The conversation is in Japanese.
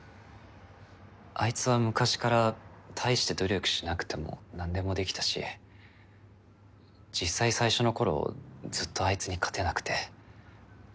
あいつは昔から大して努力しなくても何でもできたし実際最初のころずっとあいつに勝てなくて。